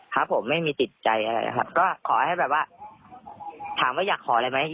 ครับผมไม่มีติดใจอะไรนะครับก็ขอให้แบบว่าถามว่าอยากขออะไรไหม